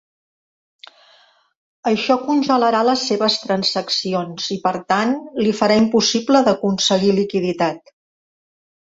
“Això congelarà les seves transaccions i, per tant, li farà impossible d’aconseguir liquiditat”.